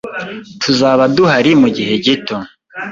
Tuzaba duhari mugihe gito.